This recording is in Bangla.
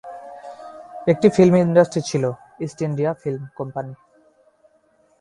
একটি ফিল্ম ইন্ডাস্ট্রি ছিল ইস্ট ইন্ডিয়া ফিল্ম কোম্পানি।